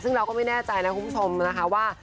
ซึ่งเราก็ไม่แน่ใจนะคุณผู้ชมนะคะว่า